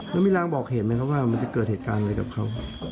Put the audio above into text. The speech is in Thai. แล้วมีรางบอกเหตุไหมครับว่ามันจะเกิดเหตุการณ์อะไรกับเขา